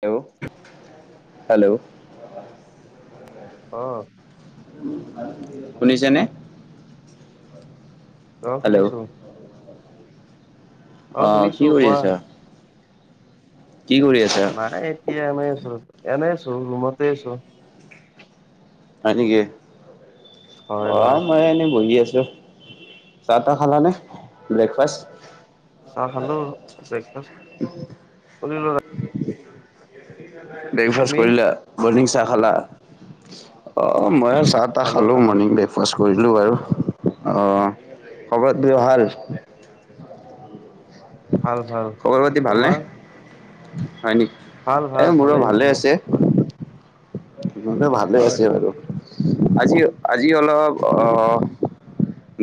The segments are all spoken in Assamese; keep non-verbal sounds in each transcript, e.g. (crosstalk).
হেল্ল' হেল্ল' অহ' শুনিছানে? অহ' শুনিছোঁ। অহ' কি কৰি আছা? কি কৰি আছা নাই এতিয়া এনেই আছোঁ, এনেই ছো ৰুমতে আছোঁ। হয়নেকি, হয়, অ' হয় মই এনে বঢ়ি আছোঁ। য'ত চাহ তাহ খালা নে ব্ৰেকফাষ্ট চাহ খালোঁ ব্ৰেকফাষ্ট কৰিলোঁ ৰাতি ব্ৰেকফাষ্ট কৰিলা, বৰ্ণিং চাহ খালা অ' মই চাহ তাহ খালো খালোঁ, খালো মৰ্ণিং ব্ৰেকফাষ্ট কৰিলোঁ বাৰু, অ' খবৰ টোৰ ভাল? ভাল, ভাল খবৰ পাতি ভালনে তোমাৰ। হয় নেকি, ভাল ভাল এই মোৰো ভালেই ভালে মোৰ আছে। হয়, নহ'লে ভালে হয় আছে বাৰু আজি আজি অলপ অ'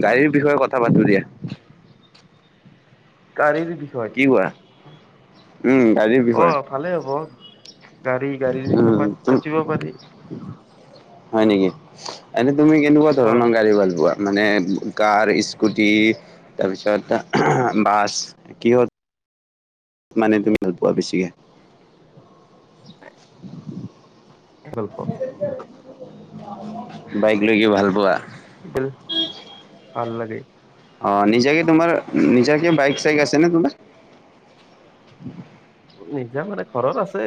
গাড়ীৰ বিষয়ে কথা পাতোঁ দিয়া। গাড়ীৰ বিষয় কি কোৱা উম, গাড়ীৰ বিষয়ে অ', ভালেই হ'ব গাড়ী গাড়ী বিষয়ে পা উম, পাতিব পাৰি। হয় নেকি, এনে তুমি কেনেকুৱা অ', ধৰণৰ গাড়ী ভাল পোৱা? মানে কাৰ, স্কুটি তাৰপিছত বাছ কিহত মানে তুমি ভাল পোৱা বেছিকে? হেলপক বাইক লৈ কি ভাল পোৱা ভাল লাগে অ নিজাকে তোমাৰ নিজাকে বাইক চাইক আছে নেকি নিজা মানে ঘৰত আছে।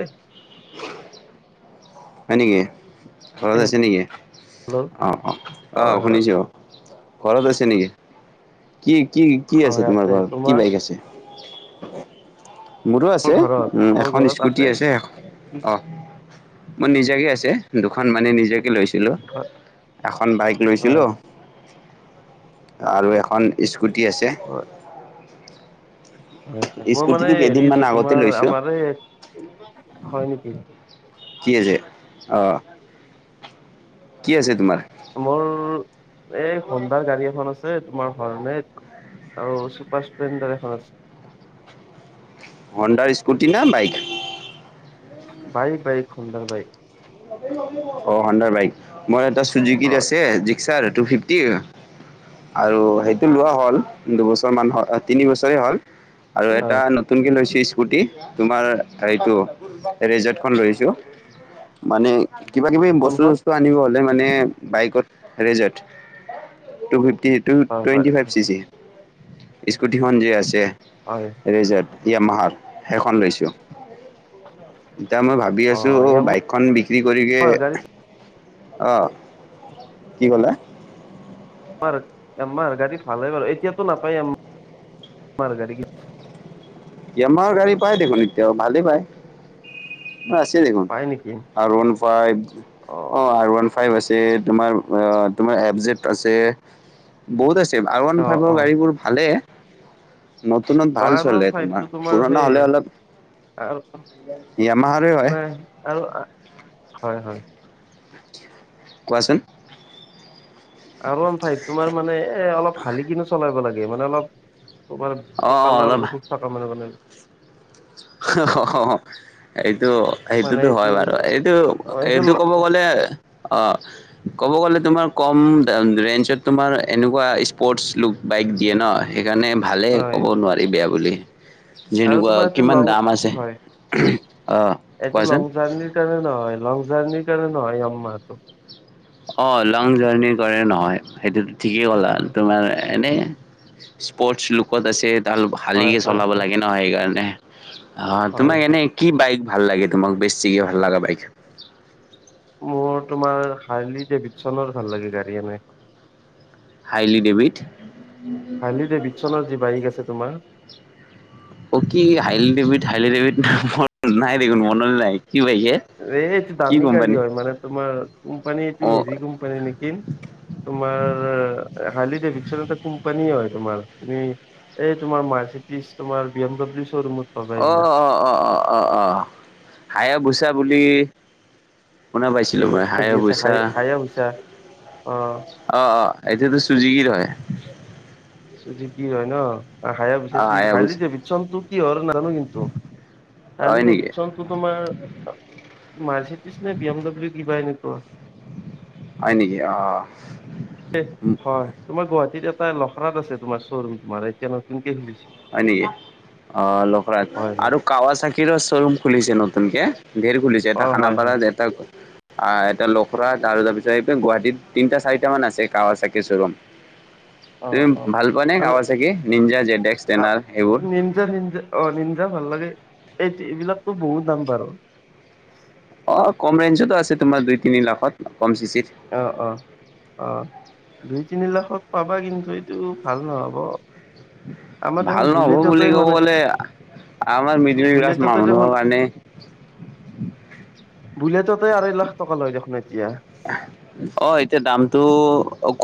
হয় নেকি। ঘৰত আছে নেকি হেল্ল' আহ অ আহ হয়, হয়, শুনিছো অ ঘৰত আছে নেকি কি কি কি আছে তোমাৰ ঘৰত, কি বাইক আছে? (unintelligible) মোৰো মোৰ আছে, ঘৰত মোৰ এখন ঘৰত স্কুটি আছে অ' মোৰ নিজাৰে আছে, দুখন মানে নিজাকে লৈছো। হেল্ল এখন বাইক হয়, লৈছিলো আৰু এখন স্কুটি আছে। হয় হয়, মোৰ মানে স্কুটিটো হেৰি কেইদিনমান আছে, আগতে তোমাৰ লৈছোঁ আমাৰ এই হয় নেকি। কি আছে আহ কি আছে তোমাৰ? মোৰ এই হোণ্ডদাৰ গাড়ী এখন আছে, তোমাৰ কাৰণে আৰু চুপাৰ স্প্লেণ্ডাৰ এখন আছে। হণ্ডাৰ স্কুটি ন বাইক? বাইক বাইক হোণ্ডাৰ বাইক। অ হণ্ডাৰ বাইক, মোৰ এটা চুজুকী হয় আছে টু ফিফটিৰ, আৰু সেইটো লোৱা হ'ল দুবছৰমান তিনিবছৰেই হ'ল। আৰু এটা হয় নতুনকে লৈছিল স্কুটি তোমাৰ সেইটো ৰেজৰ্টখন লৈছোঁ মানে কিবা-কিবি বস্তু কোনখন চস্তু আনিব হলে মানে বাইকত ৰেজট টু ফিফ টি টু হয় হয় টুৱেণ্টি ফাইভ চি চি স্কুটিখন যে আছে। হয় ৰেজাট য়ামাহাৰ সেইখন লৈছোঁ। এতিয়া মই ভাবি অ আছো য়ামাহাৰ বাইকখন বিক্ৰী কৰিকে গাড়ী অহ, কি ক'লা? য়ামাৰ, য়ামাৰ গাড়ীত ভালে হ'ল, এতিয়াতো নাপায় য়ামাৰ গাড়ী। য়ামাহৰ গাড়ী পায় দেখোন এতিয়াও ভালেই পায়। আছিল দেখোন। পাই নেকি আৰ ওৱান ফাইভ, অ আৰ ওৱান ফাইভ আছে তোমাৰ তোমাৰ এফ জেদ আছে, বহুত আছে। ভ, আৰ ওৱান অ ফাইভৰ অ গাড়ীবোৰ ভালে। নতুনত ভাল চলে। তো তোমাৰ পুৰণা সেই, হ'লে অলপ আৰু য়ামাহাৰে হয় নাই আৰু আ হয়, হয়। কোৱাচোন? আৰ ওৱান ফাইভ তোমাৰ মানে এ অলপ শালি কিনে চলাব লাগে, মানে অলপ তোমাৰ অ' অ' কঁকালৰ অলপ অসুখ থকা মানে মানে। হাহ হহ এই, এইটো মানে সেইটোতো এইটো হয় বাৰু। এইটো এইটো ক'ব গলে অ, ক'ব গ'লে তোমাৰ কম ৰেঞ্জত তোমাৰ এনেকুৱা স্পৰ্টছ লুক বাইক দিয়ে ন, সে সেইকাৰণে ভালেই হয় ক'ব নোৱাৰি বেয়া বুলি। আৰু যেনেকুৱা তোমাৰ এইটো কিমান লং দাম আছে হয়, অ এইটো কোৱাচোন লং জাৰ্নি কাৰনে নহয়, লং জাৰ্নি কাৰনে নহয় য়ামহাটো। অ লং জাৰ্ণি কৰে নহয়। সেইটো ঠিকেই ক'লা। হয় তোমাৰ এনে স্পৰ্ট লোকত আছে তাল হয় শালিকে চলাব হয় লাগে ন সেইকাৰণে। হা হয় তোমাক হয় এনে কি বাইক ভাল লাগে তোমাক বেছিকে ভাল লগা বাইক? মোৰ তোমাৰ হাৰ্লি ডেভিডছনৰ ভাল লাগে গাড়ী এনে। হাইলি ডেভিড হাৰ্লি দেভিদচনৰ যি বাইক আছে। তোমাৰ অ' কি হাইলি দেভি হাইলি দেভিত মনত নাই দেখোন মনলৈ নাই। কি বাইকে এই এইটো কি দামী গাড়ী কোম্পানী হয়, মানে তোমাৰ কোম্পানী এইটো অ হেৰি কোম্পানী নেকি। তোমাৰ হালি যে বিশ্ববেংকৰ কোম্পানীয়ে হয় তোমাৰ তুমি এই তোমাৰ মাৰ্চিটিছ তোমাৰ বি এম ডব্লিউৰ শ্বৰুমত পাবা অ এইবিলাক অ অ অ অ অ হায়ে ভুছা বুলি শুনা কি পাইছিলোঁ হয় মই হাই যি অ' আছে বুছা হাইয়া পইচা অ অ' অ'। এইটোতো চুজোকিৰ ৰয় যি কি হয় ন। হায়াৰ বোছা অ (unintelligible) হায়া খালি বুচা যে বিশ্ববেংকৰটো কিহৰ নাজানো কিন্তু হয় (unintelligible) নেকি বিশ্ববেংকৰটো তোমাৰ মাৰ্চিডিছ নে বি এম ডব্লিউ কিবা এনেকুৱা হয় নেকি অহ হয় তোমাৰ গুৱাহাটীত এটা লখৰাত আছে তোমাৰ শ্বৰুম তোমাৰ এতিয়া নতুন হয় নেকি অ লখৰাত হয় হয় আৰু কাৱা চাকিৰো শ্বৰুম খুলিছে নতুনকে গেৰ খুলিছে এটা অ হয় হয় খানাপাৰাত এটা আহ এটা লখৰাট আৰু তাৰপিছত এই গুৱাহাটীত তিনিটা চাৰিটা মান আছে কাৱা চাকি শ্বৰুম অ তুমি অ ভাল পোৱা নে কাৱা চাকি নিঞ্জা জেত এস্ক নিনজা নিনজা অ নিনজা ভালাগে এইট এইবিলাকতো বহুত দাম বাৰু অ কম ৰেঞ্জতো আছে তোমাৰ দুই তিনি লাখত কম চিচিত অহ অহ অহ দুই, তিনি লাখত পাবা কিন্তু এইটো ভাল নহ'ব। আমাৰ ভাল দেখোন নহব বুলেটতে বুলি ক'ব মানে গলে আমাৰ মিদুল ক্লাছ বুলেটতে মানুহৰ কাৰণে বুলটতে আঢ়াই লাখ টকা লয় দেখোন এতিয়া অ এতিয়া দামটো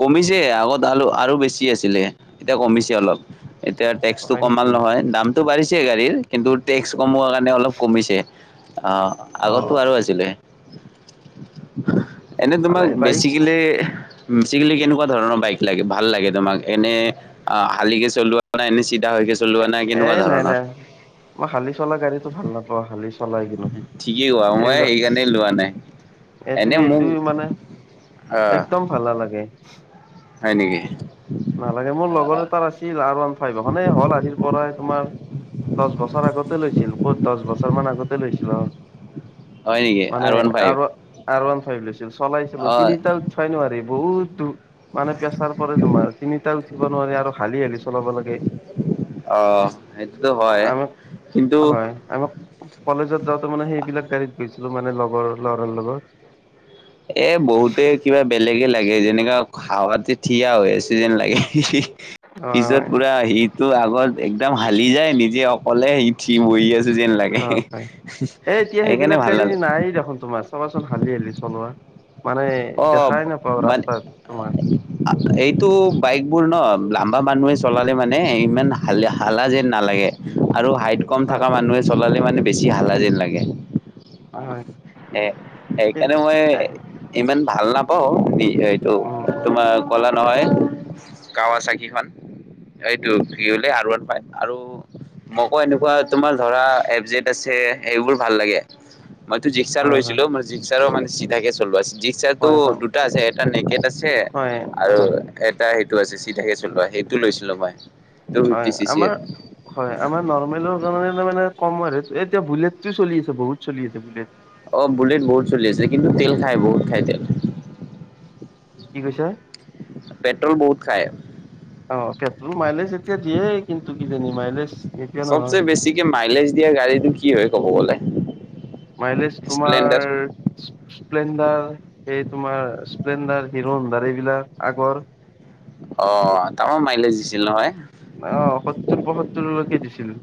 কমিছ ছে আগত আল আৰু বেছি আছিলে এতিয়া কমিছে অলপ এতিয়া টেক্সটো হয় কম ভাল নেকি নহয়। দামটো বাঢ়িছে গাড়ীৰ কিন্তু টেক্স কমোৱাৰ কাৰণে অলপ কমিছে। অহ, আগতো আৰু আছিলে এনে তোমাক ভালেই বাইক বেছিকলে, বেছিকেলে কেনেকুৱা ধৰণৰ বাইক লাগে ভাল লাগে তোমাক এনে আ শালিকী চলোৱা (unintelligible) চলোৱা না এ কেনেকুৱা নাই ধৰণৰ নাই। মই শালি চলা গাড়ীটো ভাল নাপাওঁ। শালি চ চলাই কিনো। ঠিকেই কোৱা মই এইবিলাক সেইকাৰণে লোৱা নাই এইটো, এনে মোক এইটো মানে আহ একদম ভাল নালাগে। হয় নেকি? নালাগে। মোৰ লগৰ আহ, এটা আছিল আৰু আন (unintelligible) হল আজি পৰা তোমাৰ দছ বছৰ আগতে লৈছিল। ক'ত দছ বছৰ দশ মান আগতে লইছিলো, অ, হয় নেকি মানে, আৰ ওৱান ফাইভ আৰু, আৰু সেই লৈছিল, চলাইছিলো অ তিনিটা উথাই নোৱাৰি বহুত মানে পেছাৰ পৰে তোমাৰ। তিনিটা উঠিব নোৱাৰি আৰু হালি হালি চলাব লাগে। অ। হয় আমাক, কিন্তু হয়, আমাক কলেজত যাওঁতে মানে সেইবিলাক গাড়ীত গৈ ছিলো মানে লগৰ ল'ৰাৰ লগত। এ বহুতে কিবা বেলেগে লাগে। যেনেকে হাৱাতে থিয়া হৈ আছে যেন লাগে। অ পিছত পুৰা সিটো আগত একদম হালি যায় নিজে অকলে সি থি মৈ আছে যেন লাগে। অ হয় এ এতিয়া সেইকাৰণে সেইবিলাক ভাল নালাগ ড়ী চলোৱা মানে অ দেখাই নাপাওঁ মান, ৰাস্তাত তোমাৰ এইটো বাইকবোৰ ন লাম্বা মানুহে চলালে মানে ইমান হাল হালা যেন নালাগে। আৰু হাইট কম হয় থকা মানুহে চলালে মানে বেছি হালা যেন লাগে। অ হয় সেইকাৰণে মই ইমান ভাল নাপাও। এইটো উম উম তোমাৰ কলা নহয় কাৱাচাকিখন। এইটো ফিৰ হলে আৰ ৱান পায় আৰু মকৌ এনেকুৱা তোমাৰ ধৰা এফ জট আছে, সেইবোৰ ভাল লাগে। মই তো জিক্সাৰ হয় হয় লৈছিলো। জিক্সাৰো মান চিধাকে চলোৱাছ জিছাটো হয় দুটা আছে এটা নেকেট আছে হয় হয় আৰু হয় এটা টো আ চি চি থাকে চোলোৱা সেইটো লৈছিলো মই। টু ফিফটি হয়। চি চিৰ আমাৰ হয় আমাৰ নৰ্মেলৰ কাৰণে মানে কমৰেট এতিয়া বুলেটটো চলি আছে বহুত চলি আছে বুলেট। অ বুলেট বহুত চলি আছে কিন্তু তেল খায় বহুত খায় তেল। কি কৈছা? পেট্ৰ'ল বহুত খায়। অ পেট্ৰল মাইলেজ এতিয়া দিয়ে কিন্তু কিজানি মাইলেজ এতিয়া চবচে বেছিকে মাইলেজ দিয়া গাড়ীটো কি হয় নহয়। (inaudible) মাইলেজ স্প্লেণ্ডাৰ তোমাৰ স্প্লেণ্ডাৰ এই তোমাৰ স্প্লেণ্ডাৰ হিৰো হডাৰ এইবিলাক আগৰ। অ' তামাম মাইলেজ দিছিল নহয়। অহ, সত্তৰ পয়সত্তৰলৈকে দিছিল।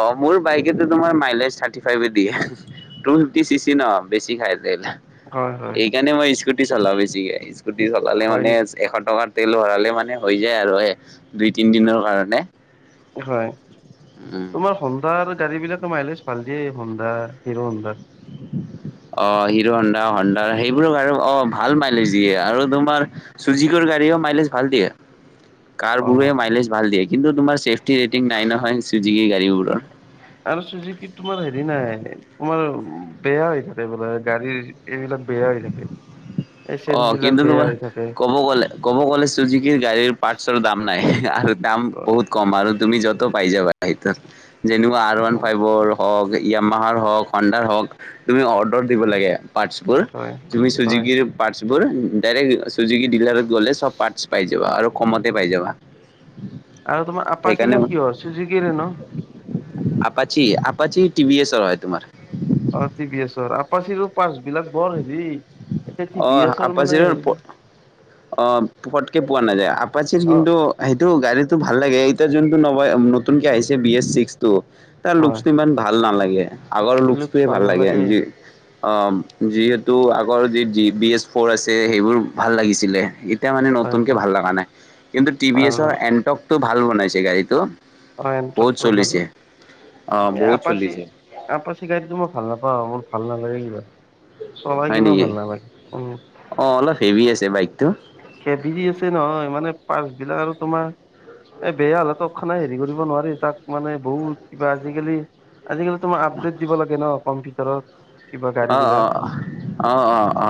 অ' মোৰ বাইকো তোমাৰ মাইলেজ থ্ৰাৰ্টি ফাইভ দিয়ে টু ফ্ৰিফটি চিচি ন বেছি খাই। হয় হয় এই এইকাৰণে মই স্কুটি চলাওঁ বেছিকে। স্কুটি চলালে হয় মানে নেকি এশ টকাত। তেল ভৰালে মানে হৈ যায় আৰু হ দুই তিনি দিনৰ কাৰণে। হয়, উম তোমাৰ সন্ধাৰ গাড়ী বিলাকৰ মাইলেজ ভাল দিয়েই হন্দা, হিৰো হন্দা। অ' হিৰো হন্দা, হন্দা সেইবোৰ আৰু অ' ভাল মাইলেজ দিয়ে আৰু তোমাৰ চুজিকিৰ গাড়ীও মাইলেজ ভাল দিয়ে। কাৰ বোৰে অ' মাইলেজ ভাল দিয়ে, কিন্তু তোমাৰ চেফ্‌টি ৰেটিং নাই নহয় চুজুকি গাড়ীবোৰৰ। আৰু চুজুকি তোমাৰ হেৰি নাই তোমাৰ বেয়া হৈ থাকে বোলে, গাড়ীৰ এইবিলাক বেয়া হৈ থাকে। অ এচেণ্ট বিলাক কিন্তু বেয়া তোমাৰ হৈ থাকে। ক'ব গ'লে, ক'ব গ'লে চুজিকিৰ গাড়ীৰ পাৰ্টছৰ দাম নাই আৰু দাম অ, বহুত কম আৰু তুমি য'ত পাই যাবা সেইটো যেনে আৰ ওৱান ফ্ৰাইভৰ হক য়ামাহৰ হওঁক হনডাৰ হওঁক তুমি অৰ্ডাৰ দিব লাগে পাৰ্টছবোৰ, হয় তুমি হয় চুজিকিৰ যিবোৰৰ ডাৰেক্ট চুজিকিৰ ডিলাৰত গ'লে চ'ব পাৰ্টছ পাই যাবা আৰু কমতে পাই যাবা। আৰু তোমাৰ সেইকাৰণে আপাচিখন কিহৰ চুজোকিৰে ন। আপাচি আপাচি টিভি এচ হয় তোমাৰ অ' টি ভি এছৰ আপাচিৰো পাছ বিলাক বৰ হেৰি এতিয়া টি ভি অহ' এছৰ মানে আপাচিৰো পট হেৰিবিলাক অ' পতকে পোৱা নাযায়, আপাচিৰ অ কিন্তু সেইটো গাড়ীতটো ভাল। ভাল লাগে, এতিয়া যোনটো ন নতুনকে আহিছে বি এছ ছিক্স টু তাৰ হয় লুকটো ইমান ভাল নালাগে। আগৰ লুকচ লুকচটোৱে ভাল লাগে নালাগে জি অ' যিহেতু আগৰ যি বি এছ ফ'ৰ আছে সেইবোৰ ভাল লাগিছিলে। এতিয়া মানে হয় নতুনকৈ হয় ভাল লগা নাই কিন্তু টি ভি ভাল এছৰ ন এণ্টকটো ভাল বনাইছে গাড়ীটো। অ' বহুত এনট্ৰকটো ভাল চলিছে অ' বনাইছে এই বহুত আপচী চলিছে আপচি গাড়ীটো মোক ভাল নাপাওঁ, মোৰ ভাল নালাগে ইমান চলাই হয় কিনেও নেকি ভাল নালাগে উম। অ' অলপ হেভি আছে বাইকটো বিজি আছে নহয় মানে পাৰ্চ বিলাক আৰু তোমাৰ এ বেয়া হ'লে ত খানাই হেৰি কৰিব নোৱাৰি, তাক মানে বহুত কিবা আজিকালি আজিকালি তুমাৰ আপডেট দিব লাগে ন কম্পিউাৰ (unintelligible) অ অ অ অ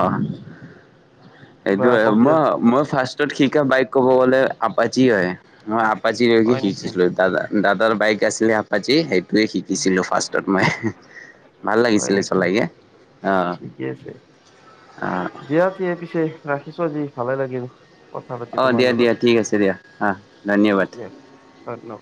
কিবা সেইটো কম্পিউটাৰ মই মই ফাষ্টত শিকা বাইক ক'ব গলে আপচি হয় আপাচি হয় নেকি শিকছিলো দাদা দাদাৰ বাইক আছিলে আাপিচি টোৱে শিকিছিলোঁ ফাৰ্ষ্টত মই ভাল হয় লাগিছিলে নেকি চলাই ঠিকে আছে অ দিয়া পিছ ৰাখিছো আজি ভালে লাগিল। কথা পাতি অ তোমাৰ দিয়া লগত দিয়া ঠিক আছে দিয়া অ ধন্যবাদ দিয়া ধন্যবাদ